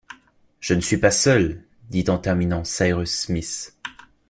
Je ne suis pas seul!... dit en terminant Cyrus Smith